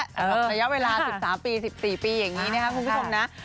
เออระยะเวลาสิบสามปีสิบสี่ปีอย่างงี้นะคะคุณผู้ชมนะค่ะ